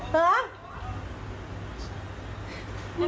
เทนดิ